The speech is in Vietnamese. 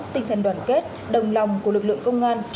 tinh thần đoàn kết đồng lòng của lực lượng công an